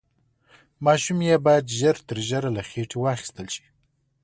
ماشوم يې بايد ژر تر ژره له خېټې واخيستل شي.